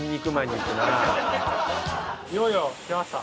いよいよきました。